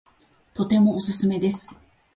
とてもおすすめです